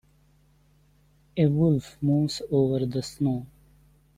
A wolf moves over the snow.